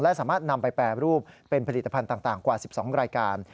และสามารถนำไปแปรรูปเป็นผลิตภัณฑ์ต่างกว่า๑๒รายการ